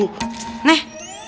eh apaan sih